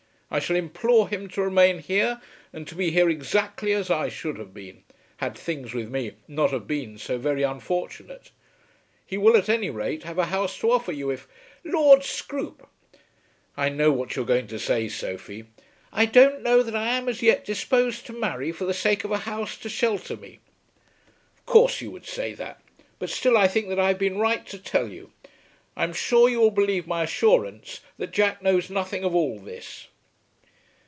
I shall implore him to remain here, and to be here exactly as I should have been, had things with me not have been so very unfortunate. He will at any rate have a house to offer you, if " "Lord Scroope!" "I know what you are going to say, Sophie." "I don't know that I am as yet disposed to marry for the sake of a house to shelter me." "Of course you would say that; but still I think that I have been right to tell you. I am sure you will believe my assurance that Jack knows nothing of all this."